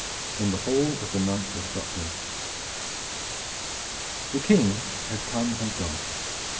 IN THE HALL OF THE KNIGHT OF DUPLIN The King had come and had gone.